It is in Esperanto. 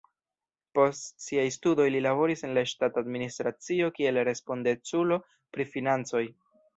Post siaj studoj li laboris en la ŝtata administracio kiel respondeculo pri financoj.